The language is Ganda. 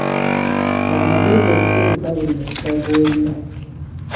Kya magezi okukozesa buli mukisa gw'olina.